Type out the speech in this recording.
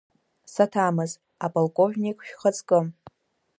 Саҭамыз, аполковник шәхаҵкы!